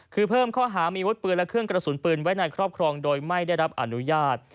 คือเพิ่มข้อหามีวุฒิปืนและเครื่องกระสุนปืนไว้ในครอบครองโดยไม่ได้รับอนุญาต